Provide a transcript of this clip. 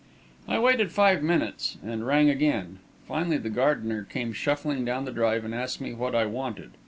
I waited five minutes and rang again. Finally the gardener came shuffling down the drive and asked me what I wanted.